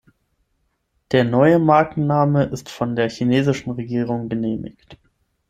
Der neue Markenname ist von der chinesischen Regierung genehmigt.